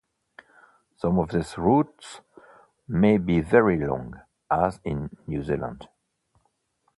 Some of these routes may be very long, as in New Zealand.